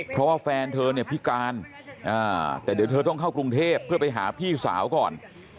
เพราะว่าแฟนเธอเนี่ยพิการแต่เดี๋ยวเธอต้องเข้ากรุงเทพเพื่อไปหาพี่สาวก่อน